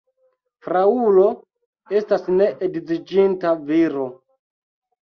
Fraŭlo estas ne edziĝinta viro.